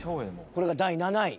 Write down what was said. これが第７位。